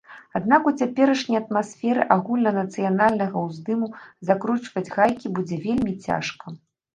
Аднак у цяперашняй атмасферы агульнанацыянальнага ўздыму закручваць гайкі будзе вельмі цяжка.